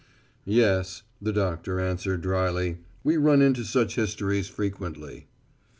"Yes," the doctor answered drily, "we run into such histories frequently."